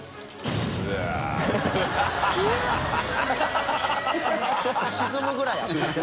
きむ）ちょっと沈むぐらい。